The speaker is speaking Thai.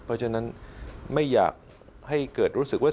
เพราะฉะนั้นไม่อยากให้เกิดรู้สึกว่า